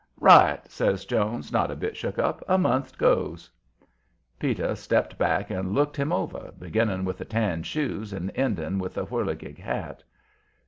"Right!" says Jones, not a bit shook up. "A month goes." Peter stepped back and looked him over, beginning with the tan shoes and ending with the whirligig hat.